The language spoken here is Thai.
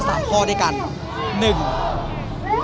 ข้อดีต้องของเราในวันนี้มี๓ข้อด้วยกัน